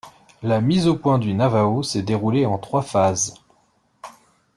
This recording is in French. La mise au point du Navaho s'est déroulée en trois phases.